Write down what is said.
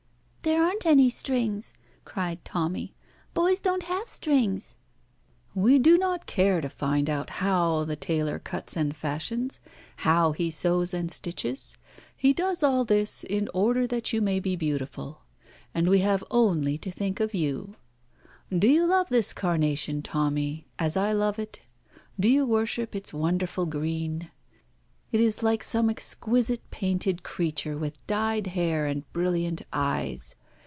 "There aren't any strings," cried Tommy. "Boys don't have strings." "We don't care to find out how the tailor cuts and fashions, how he sews and stitches. He does all this in order that you may be beautiful. And we have only to think of you. Do you love this carnation, Tommy, as I love it? Do you worship its wonderful green? It is like some exquisite painted creature with dyed hair and brilliant eyes.